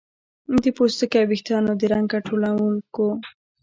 د پوستکي او ویښتانو د رنګ کنټرولونکو